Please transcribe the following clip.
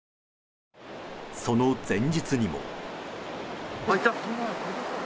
その前日にも。